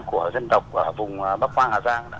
của dân độc ở vùng bắc quang hà giang